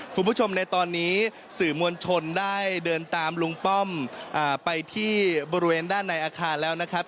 คุณผู้ชมในตอนนี้สื่อมวลชนได้เดินตามลุงป้อมไปที่บริเวณด้านในอาคารแล้วนะครับ